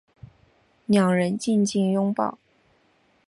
两人静静拥抱